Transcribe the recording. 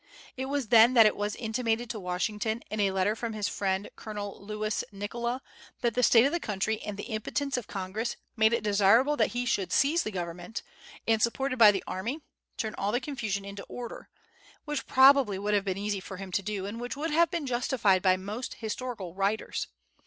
It was then that it was intimated to Washington, in a letter from his friend Colonel Louis Nicola, that the state of the country and the impotence of Congress made it desirable that he should seize the government, and, supported by the army, turn all the confusion into order, which probably would have been easy for him to do, and which would have been justified by most historical writers.